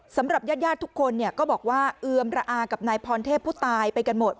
สำหรับญาติญาติทุกคนเนี่ยก็บอกว่าเอือมระอากับนายพรเทพผู้ตายไปกันหมด